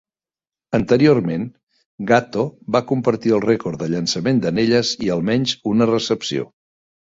Anteriorment, Gatto va compartir el rècord de llançament d'anelles i almenys una recepció.